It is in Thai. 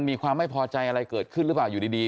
มีความไม่พอใจอะไรเกิดขึ้นหรือเปล่าอยู่ดี